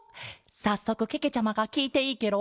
さっそくけけちゃまがきいていいケロ？